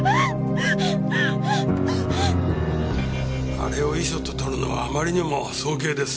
あれを遺書ととるのはあまりにも早計です。